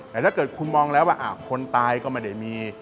แต่ถ้าเกิดคุณมองแล้วว่าคนตายก็ไม่ได้มี